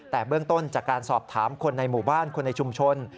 แต่เบื้องต้นจากการสอบถามคนในหมู่บ้านคนในชุมชน